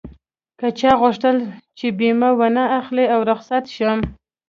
که چا غوښتل چې بيمه و نه اخلي او رخصت شم.